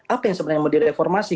apa yang sebenarnya model reformasi